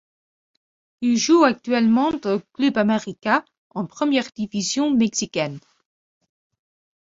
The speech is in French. Il joue actuellement au Club América, en première division mexicaine.